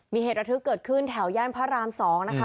มีเหตุระทึกเกิดขึ้นแถวย่านพระราม๒นะคะ